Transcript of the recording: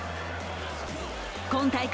今大会